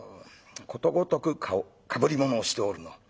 「ことごとくかぶり物をしておるのう。